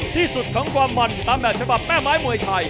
ที่สุดของความมันตามแบบฉบับแม่ไม้มวยไทย